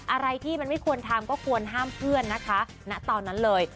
อะไรที่มันไม่ควรทำก็ควรห้ามเพื่อนนะคะณตอนนั้นเลย